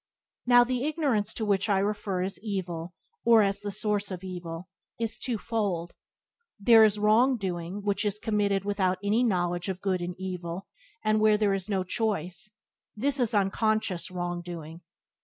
Now the ignorance to which I refer as evil, or as the source of evil, is two fold. There is wrong doing which is committed without any knowledge of good and evil, and where there is no choice — this is unconscious wrong doing.